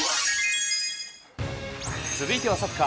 続いてはサッカー。